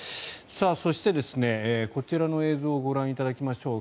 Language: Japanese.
そして、こちらの映像をご覧いただきましょう。